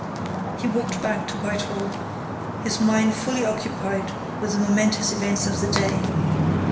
He walked back to Whitehall, his mind fully occupied with the momentous events of the day.